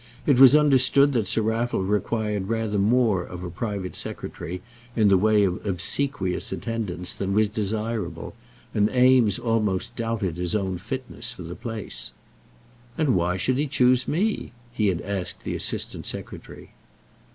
It was understood that Sir Raffle required rather more of a private secretary, in the way of obsequious attendance, than was desirable, and Eames almost doubted his own fitness for the place. "And why should he choose me?" he had asked the Assistant Secretary.